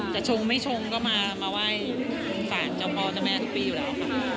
ชงไม่ชงก็มาไหว้สารเจ้าพ่อเจ้าแม่ทุกปีอยู่แล้วค่ะ